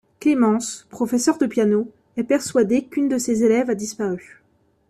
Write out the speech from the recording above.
Clémence, professeur de piano, est persuadée qu'une de ses élèves a disparu.